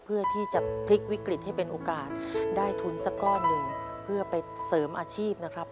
เพื่อที่จะพลิกวิกฤตให้เป็นโอกาสได้ทุนสักก้อนหนึ่งเพื่อไปเสริมอาชีพนะครับ